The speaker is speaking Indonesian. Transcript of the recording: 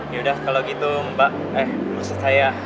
yaudah kalau gitu mbak eh maksud saya